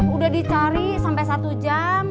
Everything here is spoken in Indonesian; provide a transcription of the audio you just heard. udah dicari sampai satu jam